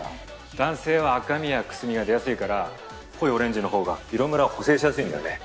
男性は赤みやくすみが出やすいから濃いオレンジの方が色ムラを補正しやすいんだよね。